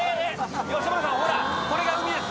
吉村さん、ほら、これが海です。